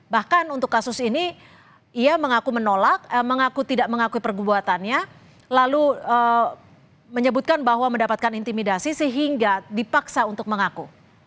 bahkan untuk kasus ini ia mengaku menolak mengaku tidak mengakui perbuatannya lalu menyebutkan bahwa mendapatkan intimidasi sehingga dipaksa untuk mengaku